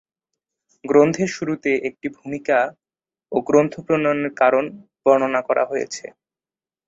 গ্রন্থের শুরুতে একটি ভূমিকা ও গ্রন্থ প্রণয়নের কারণ বর্ণনা করা হয়েছে।